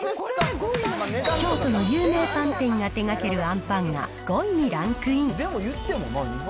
京都の有名パン店が手がけるあんパンが５位にランクイン。